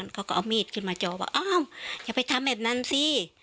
เขาก็เอามีดขึ้นมาจอว่าอ้าวอย่าไปทำแบบนั้นสิ